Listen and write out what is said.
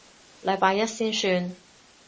禮拜一先算